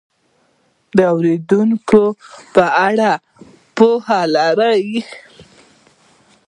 د اورېدونکو په اړه پوهه لرل